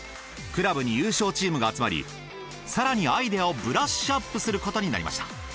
クラブに優勝チームが集まり更にアイデアをブラッシュアップすることになりました。